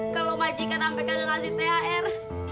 kalau majikan ampe kagak ngasih thr